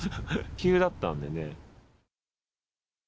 急だったんでね。